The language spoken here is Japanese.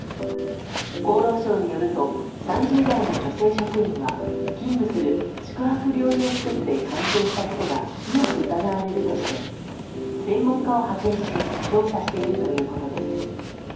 厚労省によると３０代の女性職員は勤務する宿泊療養施設で感染したことが強く疑われるとして専門家を派遣し調査しているということです。